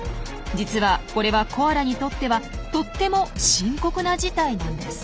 実はこれはコアラにとってはとっても深刻な事態なんです。